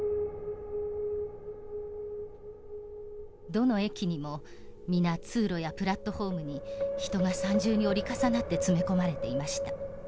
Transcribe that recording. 「どの駅にも皆通路やプラットホームに人が３重に折り重なって詰め込まれていました。